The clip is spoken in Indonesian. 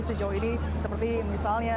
sejauh ini seperti misalnya